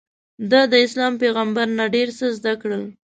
ده داسلام پیغمبر نه ډېر څه زده کړل.